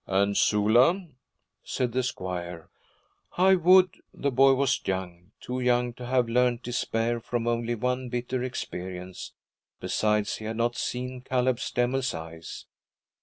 'And Sula?' said the squire. 'I would ' The boy was young, too young to have learned despair from only one bitter experience. Besides, he had not seen Caleb Stemmel's eyes.